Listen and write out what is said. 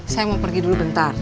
saya mau pergi dulu bentar